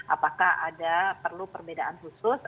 apakah ada perlu perbedaan khusus